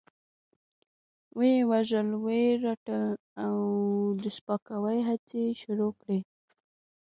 وه يې وژل، وه يې رټل او د سپکاوي هڅې يې شروع کړې.